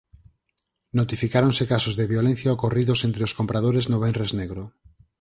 Notificáronse casos de violencia ocorridos entre os compradores no Venres negro.